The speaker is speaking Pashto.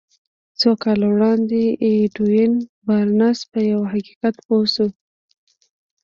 څو کاله وړاندې ايډوين بارنس په يوه حقيقت پوه شو.